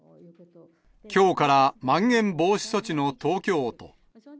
きょうからまん延防止措置の東京都。